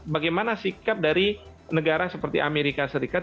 bagaimana sikap dari negara seperti amerika serikat